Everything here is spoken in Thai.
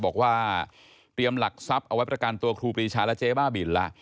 บอกว่าเตรียมหลักทรัพย์เอาไว้ประกันตัวครูปรีชาและเจ๊บ้าบินแล้ว